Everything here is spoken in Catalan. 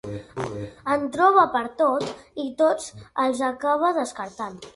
En troba pertot i tots els acaba descartant.